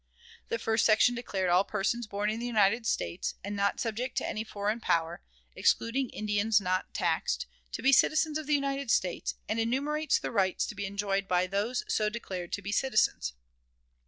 The first section declared all persons born in the United States, and not subject to any foreign power, excluding Indians not taxed, to be citizens of the United States, and enumerates the rights to be enjoyed by those so declared to be citizens.